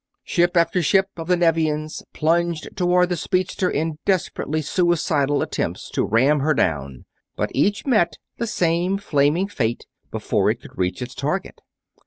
Ship after ship of the Nevians plunged toward the speedster in desperately suicidal attempts to ram her down, but each met the same flaming fate before it could reach its target.